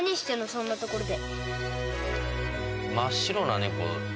そんな所で。